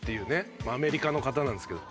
アメリカの方なんですけど。